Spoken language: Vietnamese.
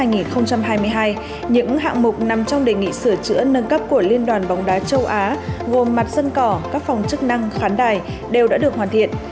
những hạng mục nằm trong đề nghị sửa chữa nâng cấp của liên đoàn bóng đá châu á gồm mặt sân cỏ các phòng chức năng khán đài đều đã được hoàn thiện